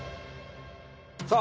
さあ